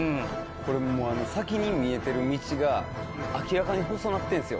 これもう先に見えてる道が明らかに細なってるんですよ